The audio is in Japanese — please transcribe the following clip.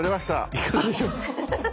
いかがでしょう？